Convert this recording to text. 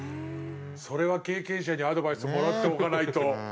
それは経験者にアドバイスもらっておかないと。